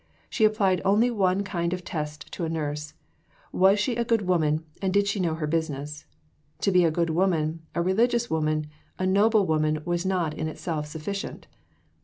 She applied only one kind of test to a nurse: Was she a good woman, and did she know her business? To be a good woman, a religious woman, a noble woman was not in itself sufficient.